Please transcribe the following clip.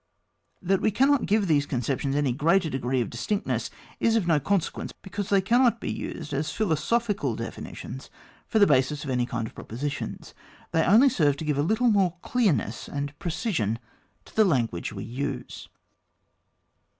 That we cannot give these conceptions any greater degree of distinctness is of no consequence, because they cannot be used as philosophical definitions for the basis of any kind of propositions. They only serve to give a little more clear ness and precision to the language we use.